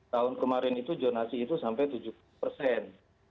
tahun kemarin itu jonasi itu sampai tujuh puluh persen